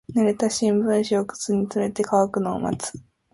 濡れた新聞紙を靴に詰めて乾くのを待つ。